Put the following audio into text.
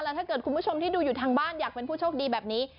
ถ้าเกิดคุณผู้ชมที่ดูอยู่ทางบ้านอยากเป็นผู้โชคดีแบบนี้